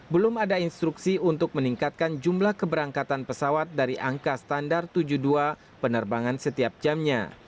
belum ada instruksi untuk meningkatkan jumlah keberangkatan pesawat dari angka standar tujuh puluh dua penerbangan setiap jamnya